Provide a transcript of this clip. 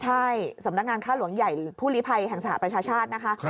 ใช่สำนักงานค่าหลวงใหญ่ผู้ลิภัยแห่งสหประชาชาตินะคะ